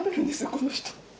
この人。